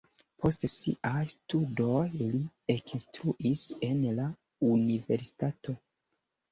Post siaj studoj li ekinstruis en la universitato.